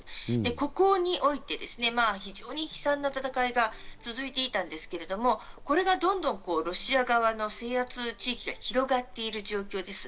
ここにおいて、非常に悲惨な戦いが続いていたんですけど、これがどんどんロシア側の制圧地域が広がっている状況です。